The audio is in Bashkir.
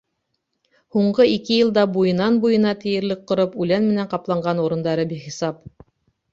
Һуңғы ике йылда буйынан-буйына тиерлек ҡороп, үлән менән ҡапланған урындары бихисап.